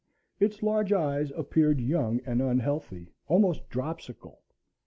Its large eyes appeared young and unhealthy, almost dropsical.